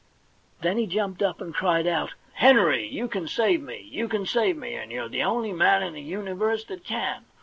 Then he jumped up and cried out :* Henry, you can save me ! You can save me, and you're the only man in the universe that can.